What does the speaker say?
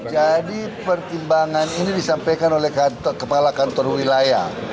jadi pertimbangan ini disampaikan oleh kepala kantor wilayah